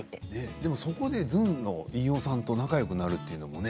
でも、そこでずんの飯尾さんと仲よくなるというのもね